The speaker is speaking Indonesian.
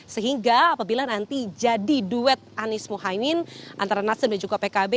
sehingga apabila nanti jadi duet anies mohaimin antara nasdem dan juga pkb